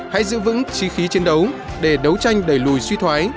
hãy giữ vững chi khí chiến đấu để đấu tranh đầy lùi suy thoái